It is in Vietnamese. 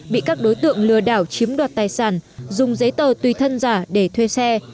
bị các đối tượng lừa đảo chiếm đoạt tài sản dùng giấy tờ tùy thân giả để thuê xe